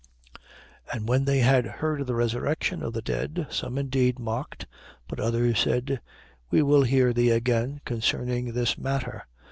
17:32. And when they had heard of the resurrection of the dead, some indeed mocked. But others said: We will hear thee again concerning this matter.